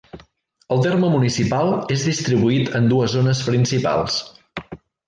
El terme municipal és distribuït en dues zones principals.